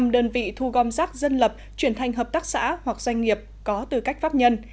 một mươi đơn vị thu gom rác dân lập chuyển thành hợp tác xã hoặc doanh nghiệp có tư cách pháp nhân